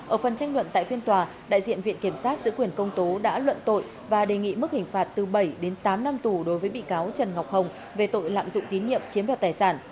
ở phần tranh luận tại phiên tòa đại diện viện kiểm sát giữ quyền công tố đã luận tội và đề nghị mức hình phạt từ bảy đến tám năm tù đối với bị cáo trần ngọc hồng về tội lạm dụng tín nhiệm chiếm đoạt tài sản